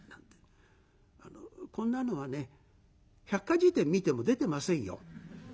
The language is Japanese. こんなのはね「百科事典」見ても出てませんよ。